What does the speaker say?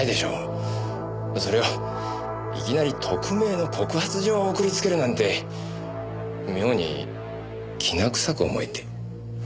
それをいきなり匿名の告発状を送りつけるなんて妙にキナ臭く思えて。